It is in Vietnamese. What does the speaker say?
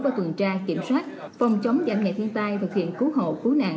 và tuần tra kiểm soát phòng chống giảm nhẹ thiên tai thực hiện cứu hộ cứu nạn